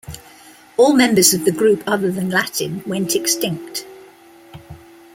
All members of the group other than Latin went extinct.